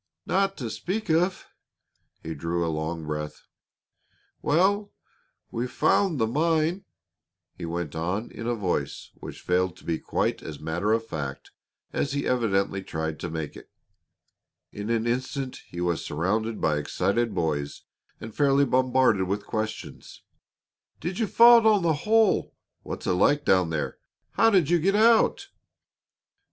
"Not to speak of." He drew a long breath. "Well, we've found the mine," he went on in a voice which failed to be quite as matter of fact as he evidently tried to make it. In an instant he was surrounded by the excited boys and fairly bombarded with questions: "Did you fall down the hole?" "What's it like down there?" "How did you get out?"